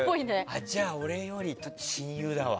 じゃあ俺より親友だわ。